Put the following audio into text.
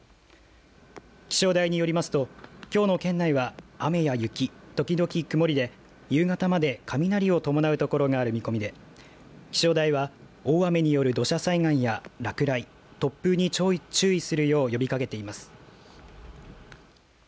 気象台によりますときょうの県内は雨や雪時々曇りで、夕方まで雷を伴う所がある見込みで気象台は大雨による土砂災害や落雷突風に注意するよう呼びかけています。